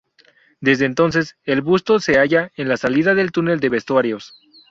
Desde entonces, el busto se halla en la salida del túnel de vestuarios.